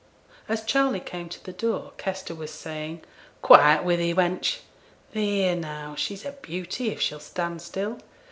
As Charley came to the door, Kester was saying, 'Quiet wi' thee, wench! Theere now, she's a beauty, if she'll stand still.